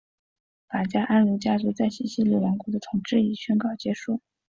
法国安茹家族在西西里王国的统治已宣告结束。